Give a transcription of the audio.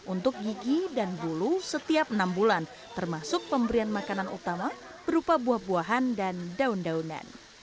untuk gigi dan bulu setiap enam bulan termasuk pemberian makanan utama berupa buah buahan dan daun daunan